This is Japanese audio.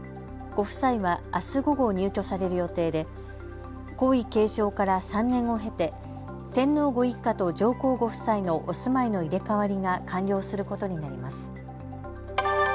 ご夫妻はあす午後、入居される予定で皇位継承から３年を経て天皇ご一家と上皇ご夫妻のお住まいの入れ代わりが完了することになります。